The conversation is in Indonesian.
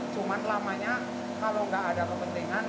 cuma lamanya kalau nggak ada kepentingan